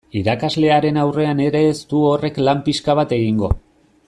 Irakaslearen aurrean ere ez du horrek lan pixka bat egingo.